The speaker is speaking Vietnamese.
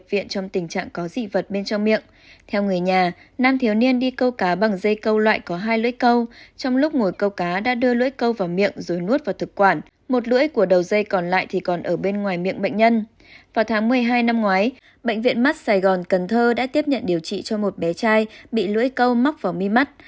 vào tháng một mươi hai năm ngoái bệnh viện mắt sài gòn cần thơ đã tiếp nhận điều trị cho một bé trai bị lưỡi câu móc vào mi mắt